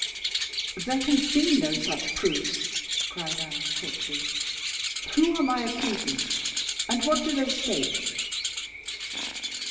"There can be no such proofs," cried Anne quickly. "Who are my accusers? and what do they state?"